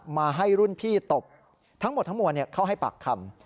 มาให้รุ่นพี่ตบทั้งหมดทั้งมวลเข้าให้ปากคำ